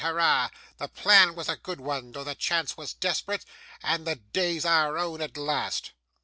Hurrah! The plan was a good one, though the chance was desperate, and the day's our own at last!